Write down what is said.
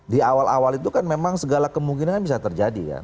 di awal awal itu kan memang segala kemungkinan bisa terjadi ya